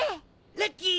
ラッキー！